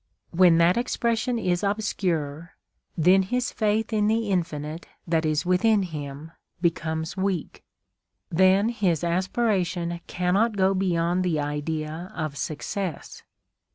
When that expression is obscure, then his faith in the Infinite that is within him becomes weak; then his aspiration cannot go beyond the idea of success.